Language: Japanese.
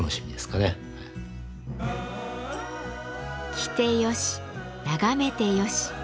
着て良し眺めて良し。